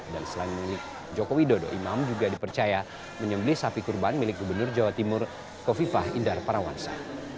dan selain milik joko widodo imam juga dipercaya menyemblih sapi kurban milik gubernur jawa timur kofifah indar parawansa